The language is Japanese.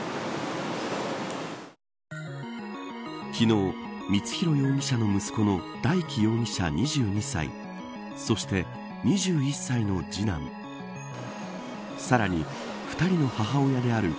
昨日、光弘容疑者の息子の大祈容疑者、２２歳そして、２１歳の次男さらに、２人の母親である。